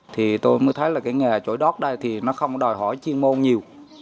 thì tôi mới thấy là cái nghề trồi đót đây thì nó không đòi hỏi chuyên môn nhiều